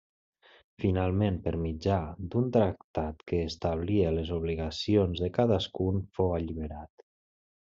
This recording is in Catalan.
Finalment per mitjà d'un tractat que establia les obligacions de cadascun, fou alliberat.